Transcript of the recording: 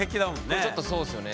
これちょっとそうっすよね。